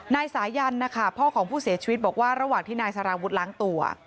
นายสายันนะคะพ่อของผู้เสียชีวิตบอกว่าระหว่างที่นายสารวุฒิล้างตัว